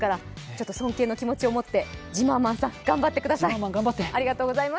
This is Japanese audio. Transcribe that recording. ちょっと尊敬の気持ちを持ってジマーマンさん、頑張ってください！